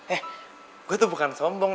eh gue tuh bukan sombong